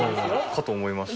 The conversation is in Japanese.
かと思いました。